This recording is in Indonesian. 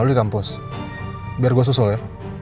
lo di kampus biar gue susul ya